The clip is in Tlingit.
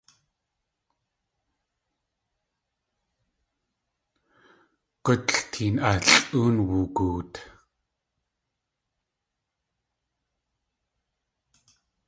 Gútl teen alʼóon woogoot.